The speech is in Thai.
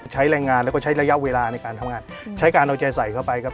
ใช้แรงงานแล้วก็ใช้ระยะเวลาในการทำงานใช้การเอาใจใส่เข้าไปครับ